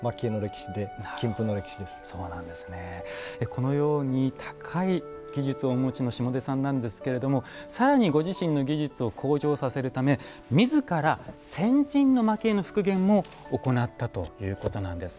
このように高い技術をお持ちの下出さんなんですけれども更にご自身の技術を向上させるため自ら先人の蒔絵の復元も行ったということなんです。